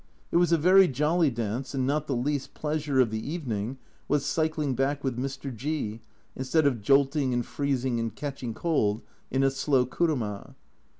It was a very jolly dance and not the least pleasure of the evening was cycling back with Mr. G instead of jolting and freezing and catching cold in a slow kuruma.